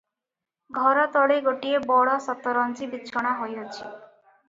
ଘରତଳେ ଗୋଟିଏ ବଡ଼ ଶତରଞ୍ଜି ବିଛଣା ହୋଇଅଛି ।